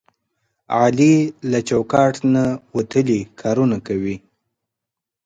علي له چوکاټ نه وتلي کارونه کوي.